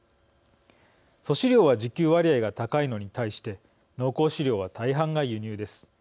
粗飼料は自給割合が高いのに対して濃厚飼料は大半が輸入です。